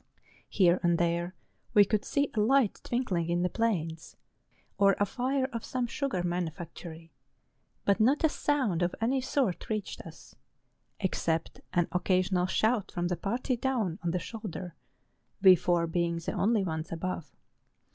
Here and there we could see a light twinkling in the plains, or a fire of some sugar manufactory ; but not a sound of any sort readied us, except an occasional shout from the party down on the shoulder (we four being the only ones above).